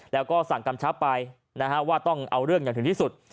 แล้วก็สั่งกำชับไปว่าต้องเอาเรื่องอย่างถึงที่สุด